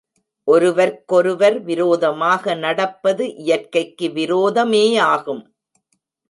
ஒருவர்க்கொருவர் விரோதமாக நடப்பது இயற்கைகக்கு விரோதமேயாகும்.